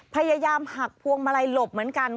พยายามหักพวงมาลัยหลบเหมือนกัน